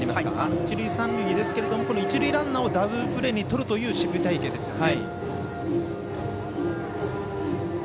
一塁三塁ですけど一塁ランナーをダブルプレーにとるという守備隊形ですよね。